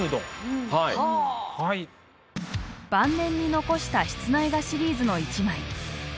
晩年に残した室内画シリーズの一枚。